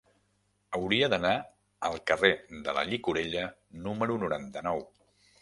Hauria d'anar al carrer de la Llicorella número noranta-nou.